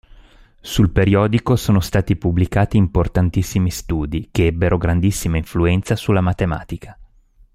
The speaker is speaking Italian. Sul periodico sono stati pubblicati importantissimi studi, che ebbero grandissima influenza sulla matematica.